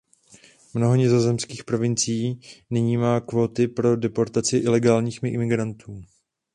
Mnoho nizozemských provincií nyní má kvóty pro deportaci ilegálních imigrantů.